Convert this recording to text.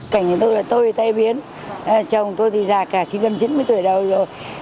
cảnh này tôi là tôi thì tai biến chồng tôi thì già gần chín mươi tuổi đầu rồi